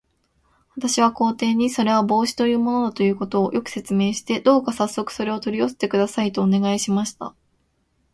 私は皇帝に、それは帽子というものだということを、よく説明して、どうかさっそくそれを取り寄せてください、とお願いしました。